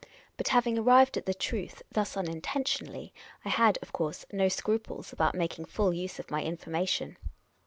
But having arrived at the truth thus un intentionally, I had, of course, no scruples about making full use of my information.